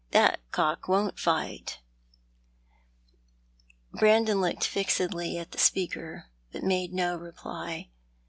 That cock won't fight." Brandon looked fixedly at the speaker, but made no reply.